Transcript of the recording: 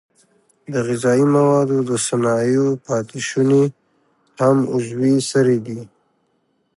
د غذایي موادو د صنایعو پاتې شونې هم عضوي سرې دي.